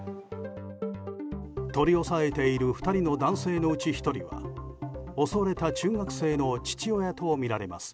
取り押さえている２人の男性のうち１人は襲われた中学生の父親とみられます。